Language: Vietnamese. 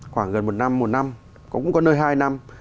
khoảng gần một năm một năm cũng có nơi hai năm